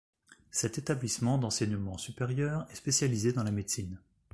Cet établissement d'enseignement supérieur est spécialisé dans la médecine.